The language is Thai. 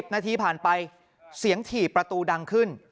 นาทีผ่านไปเสียงถี่ประตูดังขึ้น